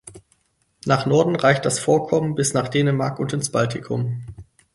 Nach Norden reicht das Vorkommen bis nach Dänemark und ins Baltikum.